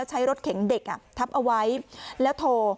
ใช้รถเข็งเด็กทับเอาไว้แล้วโทร